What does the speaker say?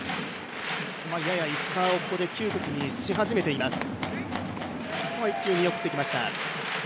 やや石川をここで窮屈にし始めています。